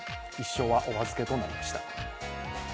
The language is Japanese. １勝はお預けとなりました。